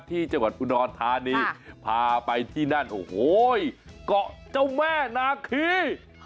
ที่จังหวัดอุดรธานีพาไปที่นั่นโอ้โหเกาะเจ้าแม่นาคี